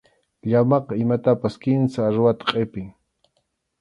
Llamaqa imatapas kimsa aruwata qʼipin.